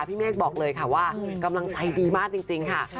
พี่เมฆบอกเลยค่ะว่ากำลังใจดีมากจริงค่ะ